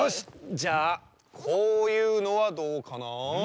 じゃあこういうのはどうかなあ。